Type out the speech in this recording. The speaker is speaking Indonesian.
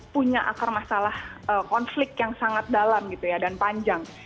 punya akar masalah konflik yang sangat dalam gitu ya dan panjang